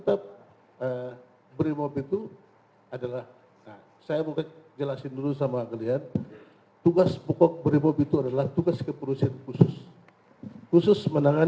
tapi ini udah langsung